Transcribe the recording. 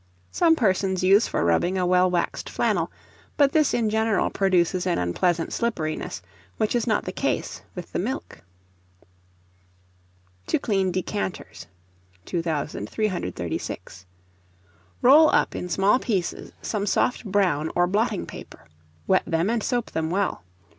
Some persons use for rubbing a well waxed flannel; but this in general produces an unpleasant slipperiness, which is not the case with the milk. To clean Decanters. 2336. Roll up in small pieces some soft brown or blotting paper; wet them, and soap them well.